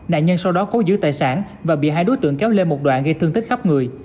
nạn nhân sau đó cố giữ tài sản và bị hai đối tượng kéo lê một đoạn gây thương tích khắp người